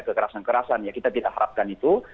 kekerasan kerasan ya kita tidak harapkan itu